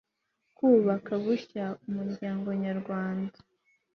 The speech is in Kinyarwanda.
kubaka bushya umuryango nyarwanda